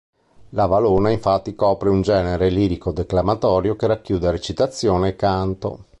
La valona infatti copre un genere lirico-declamatorio che racchiude recitazione e canto.